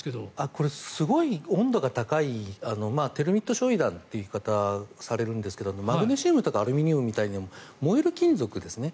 これ、すごい温度が高いテルミット焼い弾という言い方をされるんですがマグネシウムとかアルミニウムみたいに燃える金属ですね。